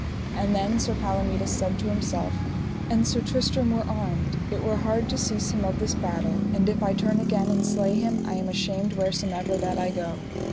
And then Sir Palomides said to himself: An Sir Tristram were armed, it were hard to cease him of this battle, and if I turn again and slay him I am ashamed wheresomever that I go.